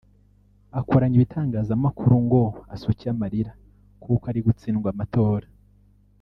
akoranya ibitangazamakuru ngo asuke amarira kuko ari gutsindwa amatora